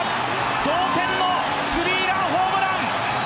同点のスリーランホームラン。